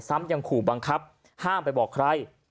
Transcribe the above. ยังขู่บังคับห้ามไปบอกใคร